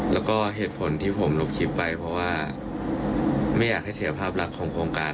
แล้วก็เหตุผลที่ผมลบคลิปไปเพราะว่าไม่อยากให้เสียภาพลักษณ์ของโครงการ